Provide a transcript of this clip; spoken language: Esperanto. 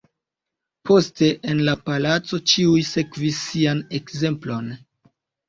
Poste, en la palaco ĉiuj sekvis Sian ekzemplon.